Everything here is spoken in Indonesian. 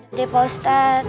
udah pak ustadz